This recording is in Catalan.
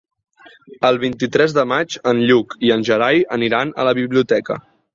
El vint-i-tres de maig en Lluc i en Gerai aniran a la biblioteca.